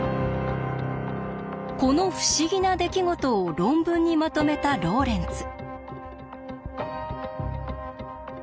この不思議な出来事を論文にまとめたローレンツ。